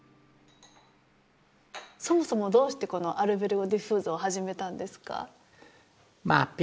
そもそもどうしてこのアルベルゴ・ディフーゾを始めたんですか。